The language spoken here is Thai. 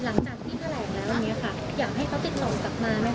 อยากให้เขาติดต่อกลับมาไหมคะ